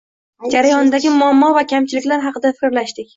Jarayondagi muammo va kamchiliklar haqida fikrlashdik.